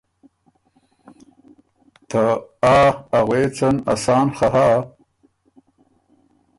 ته ”آ“ ا غوېڅن اسان خه هۀ،